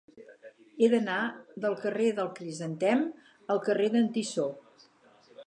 He d'anar del carrer del Crisantem al carrer d'en Tissó.